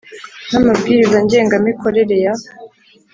n amabwiriza ngengamikorere ya